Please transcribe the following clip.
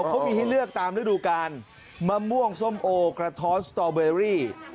เขามีให้เลือกตามฤดูกาลมะม่วงส้มโอกระท้อนสตอเบอรี่